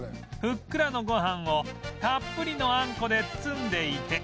ふっくらのご飯をたっぷりのあんこで包んでいて